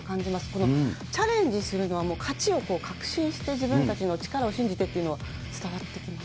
このチャレンジするのはもう勝ちを確信して、自分たちの力を信じてっていうのが伝わってきます。